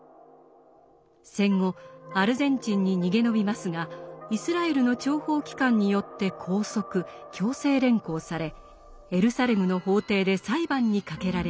戦後アルゼンチンに逃げ延びますがイスラエルの諜報機関によって拘束・強制連行されエルサレムの法廷で裁判にかけられます。